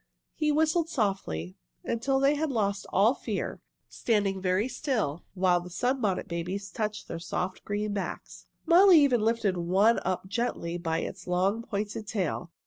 He whistled softly, until they had lost all fear, standing very still while the Sunbonnet Babies touched their soft, green backs. Molly even lifted one up gently by its long pointed tail.